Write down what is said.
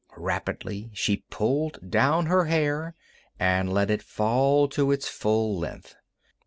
Rapidly she pulled down her hair and let it fall to its full length.